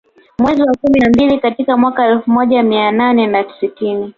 Mwezi wa kumi na mbili katika mwaka wa elfu moja mia nane na sitini